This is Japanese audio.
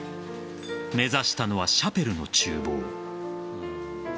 目指したのはシャペルの厨房。